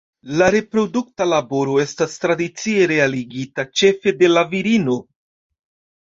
La reprodukta laboro estas tradicie realigita ĉefe de la virino.